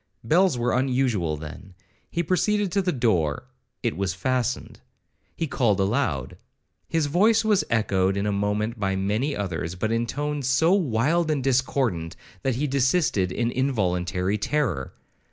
Bells were unusual then. He proceeded to the door,—it was fastened. He called aloud,—his voice was echoed in a moment by many others, but in tones so wild and discordant, that he desisted in involuntary terror.